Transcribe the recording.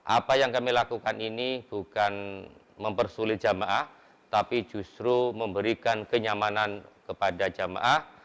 apa yang kami lakukan ini bukan mempersulit jamaah tapi justru memberikan kenyamanan kepada jamaah